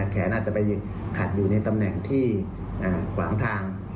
แขนอาจจะไปขัดอยู่ในตำแหน่งที่ขวางทาง